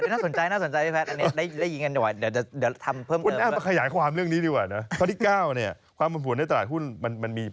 นั่นคือข้อที่๘น่าสนใจอันนี้ได้ยินกันดีกว่าเดี๋ยวทำเพิ่มเติม